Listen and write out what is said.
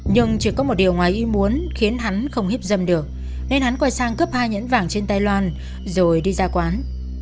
nhưng chỉ có một điều ngoài ý muốn khiến hắn không hiếp dâm được nên hắn quay sang cướp hai nhẫn vàng trên tay loan